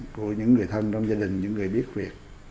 của những người thân trong gia đình những người biết việc